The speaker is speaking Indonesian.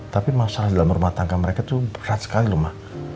tapi masalah dalam rumah tangga mereka tuh berat sekali loh mak